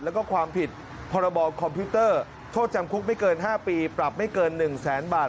แล้วก็ความผิดพรบคอมพิวเตอร์โทษจำคุกไม่เกิน๕ปีปรับไม่เกิน๑แสนบาท